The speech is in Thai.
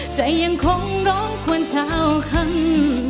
ใจยังคงร้องควรเช้าค่ำ